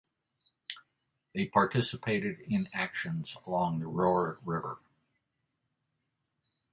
They participated in actions along the Roer River.